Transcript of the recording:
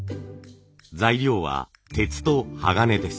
材料は鉄と鋼です。